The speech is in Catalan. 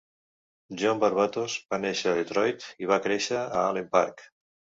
John Varvatos va nàixer en Detroit i va créixer en Allen Park.